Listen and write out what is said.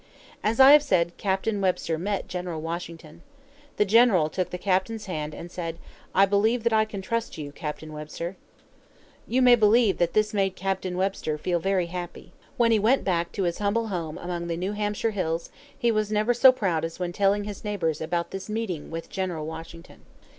As I have said, Captain Webster met General Washington. The general took the captain's hand, and said: "I believe that I can trust you, Captain Webster." You may believe that this made Captain Webster feel very happy. When he went back to his humble home among the New Hampshire hills, he was never so proud as when telling his neighbors about this meeting with General Washington.